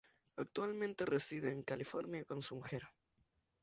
Actualmente reside en California con su mujer.